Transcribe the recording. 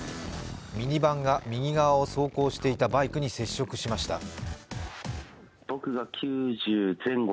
ミニバンが右側を走行していたバイクに接触しました。